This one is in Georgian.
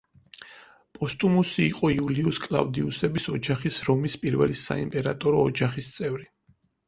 პოსტუმუსი იყო იულიუს-კლავდიუსების ოჯახის, რომის პირველი საიმპერატორო ოჯახის წევრი.